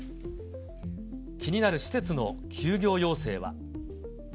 気になる施設の休業要請は？